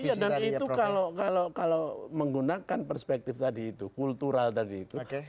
iya dan itu kalau menggunakan perspektif tadi itu kultural tadi itu